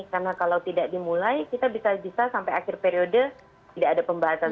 karena kalau tidak dimulai kita bisa bisa sampai akhir periode tidak ada pembahasan